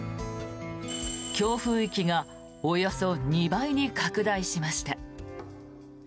強風域がおよそ２倍に拡大しました。